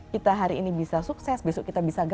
kita hari ini bisa sukses besok kita bisa gagal